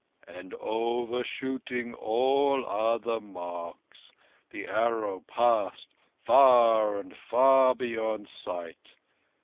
"And, overshooting all other marks, the arrow passed far and far beyond sight.